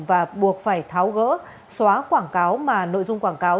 và buộc phải tháo gỡ xóa quảng cáo mà nội dung quảng cáo